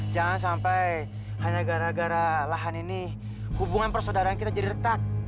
jangan sampai hanya gara gara lahan ini hubungan persaudaraan kita jadi retak